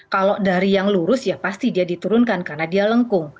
kalau dari yang lurus ya pasti dia diturunkan karena dia lengkung